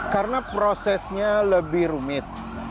karena prosesnya lebih rumit